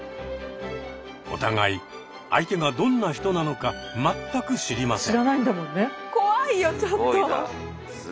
お互い相手がどんな人なのか全く知りません。